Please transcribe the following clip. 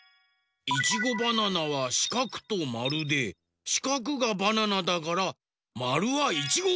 いちごバナナはしかくとまるでしかくがバナナだからまるはいちご！